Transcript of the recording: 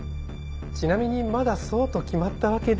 ちなみにまだそうと決まったわけでは。